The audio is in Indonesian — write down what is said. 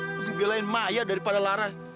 mesti belain maya daripada larah